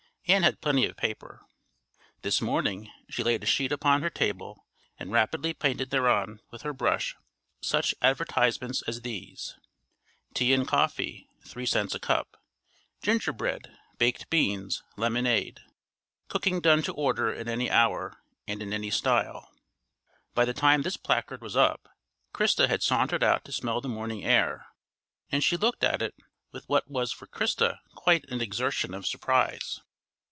Ann had plenty of paper. This morning she laid a sheet upon her table, and rapidly painted thereon with her brush such advertisements as these: Tea and Coffee, 3 Cents a Cup. Ginger Bread, Baked Beans, Lemonade. Cooking done to order at any hour and in any style. By the time this placard was up, Christa had sauntered out to smell the morning air, and she looked at it with what was for Christa quite an exertion of surprise.